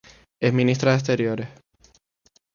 Ex-ministra de Exteriores.